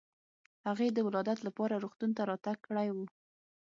هغې د ولادت لپاره روغتون ته راتګ کړی و.